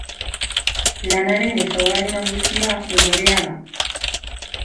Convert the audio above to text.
Lanaren ezaugarri nagusia umorea da.